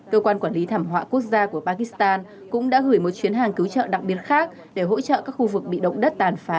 cơ quan quản lý thảm họa quốc gia của pakistan cũng đã gửi một chuyến hàng cứu trợ đặc biệt khác để hỗ trợ các khu vực bị động đất tàn phá ở thổ nhĩ kỳ